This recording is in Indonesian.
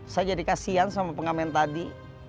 saya jadi kasian sama pengamen tadi